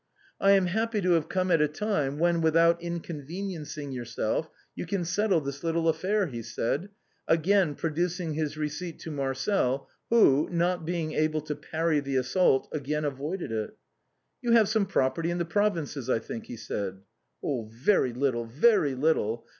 " I am happy to have come at a time when, without in conveniencing yourself, you can settle this little affair," he said, again producing his receipt to Marcel, who, not being able to parry the assault, again avoided it. " You have some property in the provinces, I think," he said. " Very little, very little.